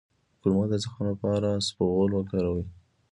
د کولمو د زخم لپاره اسپغول وکاروئ